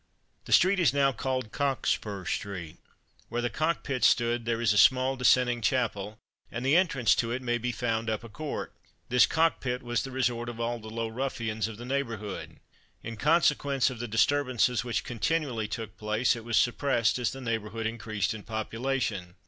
The street is now called Cockspur street. Where the cock pit stood there is a small dissenting chapel, and the entrance to it may be found up a court. This cock pit was the resort of all the low ruffians of the neighbourhood. In consequence of the disturbances which continually took place, it was suppressed as the neighbourhood increased in population.